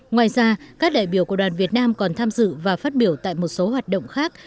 ngoài ra các đại biểu của đoàn việt nam còn tham dự và phát biểu tại một số hoạt động khác